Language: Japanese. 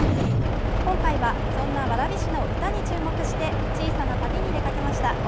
今回はそんな蕨市の歌に注目して小さな旅に出かけました。